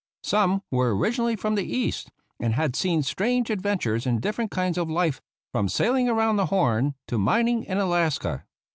Some were originally from the East, and had seen strange adventures in different kinds of life, from sailing round the Horn to mining in Alaska.